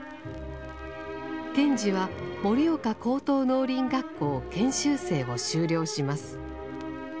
賢治は盛岡高等農林学校研修生を修了します。